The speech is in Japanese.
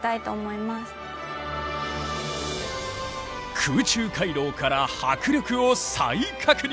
空中回廊から迫力を再確認。